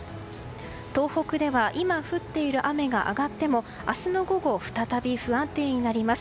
東北では今降っている雨が上がっても明日の午後再び不安定になります。